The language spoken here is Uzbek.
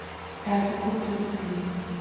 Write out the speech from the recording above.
Dardi ko’p do’stimning